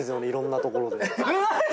いろんなところで。